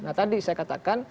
nah tadi saya katakan